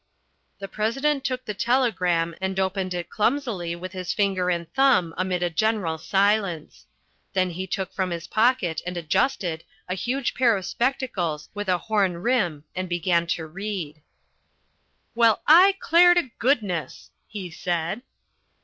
The President took the telegram and opened it clumsily with his finger and thumb amid a general silence. Then he took from his pocket and adjusted a huge pair of spectacles with a horn rim and began to read. "Well, I 'clare to goodness!" he said.